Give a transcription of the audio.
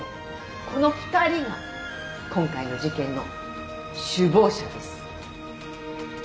この２人が今回の事件の首謀者です。